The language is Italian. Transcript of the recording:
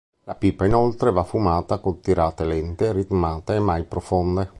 La pipa inoltre, va fumata con tirate lente, ritmate, e mai profonde.